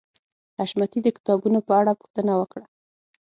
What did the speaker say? حشمتي د کتابونو په اړه پوښتنه وکړه